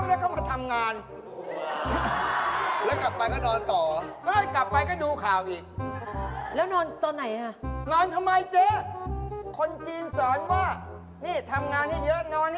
เออเออนี่บอกกลางคืนเองก็นอน